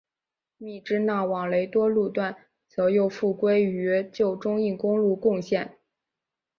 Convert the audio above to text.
密支那往雷多路段则又复归与旧中印公路共线。